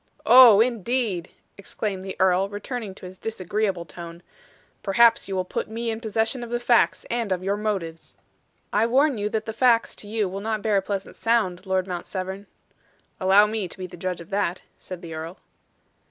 "Oh, indeed!" exclaimed the earl, returning to his disagreeable tone. "Perhaps you will put me in possession of the facts, and of your motives." "I warn you that the facts to you will not bear a pleasant sound, Lord Mount Severn." "Allow me to be the judge of that," said the earl.